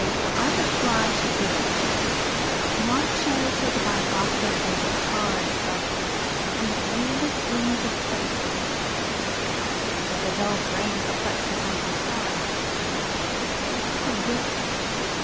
for I will fly to thee, Not charioted by Bacchus and his pards, But on the viewless wings of Poesy, Though the dull brain perplexes and retards: Already with thee